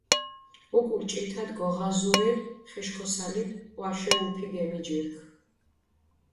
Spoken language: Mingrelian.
უკულ ჭითათ გოღაზურელ ხეშქოსალით ჸვაშე უფი გემიჯირქ.